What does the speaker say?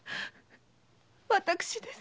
私です。